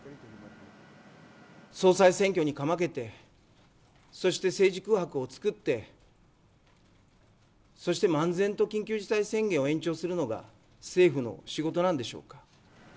総裁選挙にかまけて、そして政治空白を作って、そして漫然と緊急事態宣言を延長するのが政府の仕事なんでしょうか。